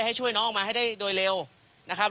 ให้ช่วยน้องออกมาให้ได้โดยเร็วนะครับ